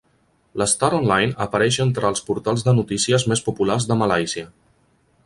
L"Star Online apareix entre els portals de notícies més populars de Malàisia.